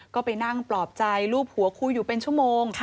ก็ไปนั่งปลอบใจรูปหัวครูอยู่เป็นชั่วโมง